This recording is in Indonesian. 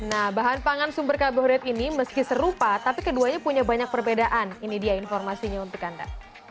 nah bahan pangan sumber karbohid ini meski serupa tapi keduanya punya banyak perbedaan ini dia informasinya untuk anda